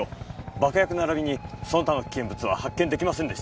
爆薬並びにその他の危険物は発見出来ませんでした。